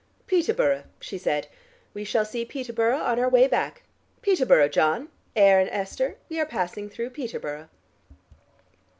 "Peterborough," she said. "We shall see Peterborough on our way back. Peterborough, John. Ayr and Esther, we are passing through Peterborough."